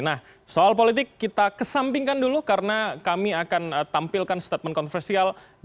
nah soal politik kita kesampingkan dulu karena kami akan tampilkan statement konfesial dari anggota kppi